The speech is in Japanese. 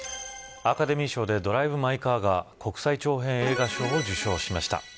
アカデミー賞でドライブ・マイ・カーが国際長編映画賞を受賞しました。